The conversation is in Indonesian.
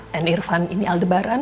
dan irfan ini aldebaran